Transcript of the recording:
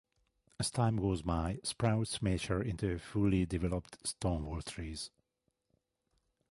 As time goes by, sprouts mature into fully developed stone wall trees.